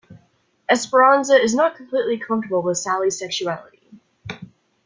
Esperanza is not completely comfortable with Sally's sexuality.